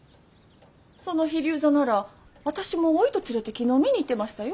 その飛龍座なら私もお糸連れて昨日見に行ってましたよ。